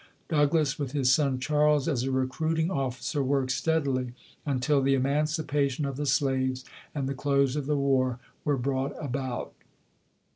Douglass, with his son Charles as a recruiting officer, worked steadily until the emancipation of the slaves and the close of the war were brought about.